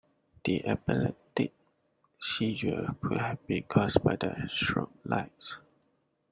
The epileptic seizure could have been cause by the strobe lights.